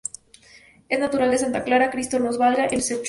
Es natural de Santa Clara, Cristo Nos Valga, en Sechura.